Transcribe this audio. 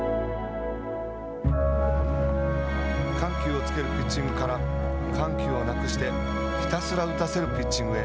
緩急をつけるピッチングから緩急をなくしてひたすら打たせるピッチングへ。